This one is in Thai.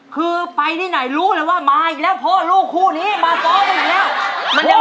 คือไปที่ไหนรู้เลยว่ามาอีกแล้วพ่อลูกคู่นี้มาฟ้องกันอีกแล้ว